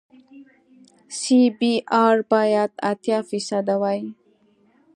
سی بي ار باید اتیا فیصده وي